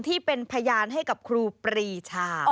ที่เป็นพยานให้กับครูปรีชา